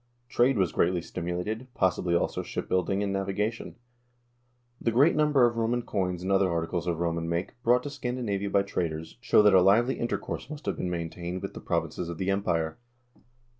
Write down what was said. Trade was greatly stimulated; possibly also ship building and navigation. The great number of Roman coins and other arti cles of Roman make brought to Scan dinavia by traders show that a lively intercourse must have been maintained with the provinces of the Empire.